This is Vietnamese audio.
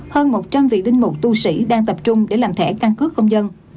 hơn một trăm linh vị linh mục tu sĩ đang tập trung để làm thẻ căn cước công dân